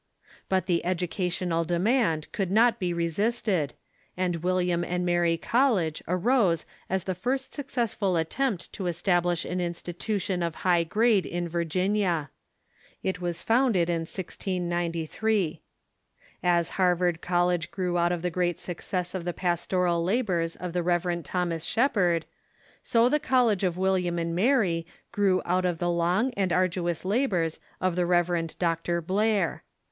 But the educational demand could not be resist ed, and "William and Mary College arose as the first successful attempt to establish an institution of high grade in Virginia. It was founded in 1603. As Harvard College grew out of the great success of the pastoral labors of the Rev. Thomas Shep ard, so the College of William and Mary grew out of the long and arduous labors of the Rev. Dr. Blair.